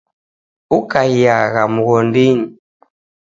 Ukaiagha mghondinyi